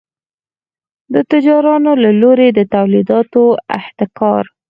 د تجارانو له لوري د تولیداتو احتکار.